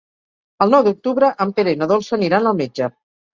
El nou d'octubre en Pere i na Dolça aniran al metge.